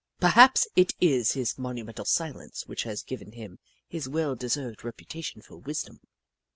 Perhaps it is his monumental silence which has given him his well deserved reputation for wisdom.